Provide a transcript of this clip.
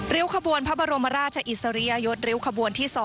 ้วขบวนพระบรมราชอิสริยยศริ้วขบวนที่๒